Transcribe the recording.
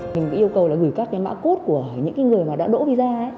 mình yêu cầu gửi các mã cốt của những người đã đổ visa